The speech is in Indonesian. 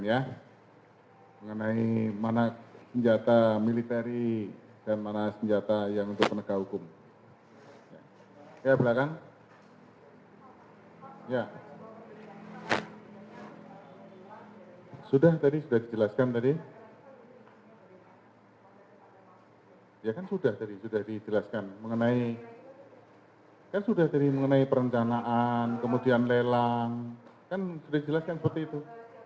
ya kan sudah tadi sudah dijelaskan mengenai perencanaan kemudian lelang kan sudah dijelaskan seperti itu